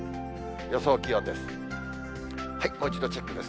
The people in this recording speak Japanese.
予想気温です。